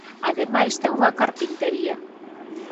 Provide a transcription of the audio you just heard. Ademais ten unha carpintería.